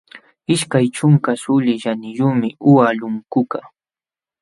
Ishkay ćhunka suulis ćhaniyuqmi uqa lunkukaq.